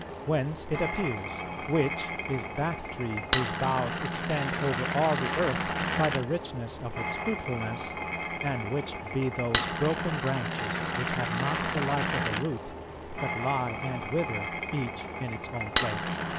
Whence it appears, which is that tree whose boughs extend over all the earth by the richness of its fruitfulness, and which be those broken branches which have not the life of the root, but lie and wither, each in its own place."